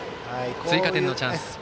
追加点のチャンス。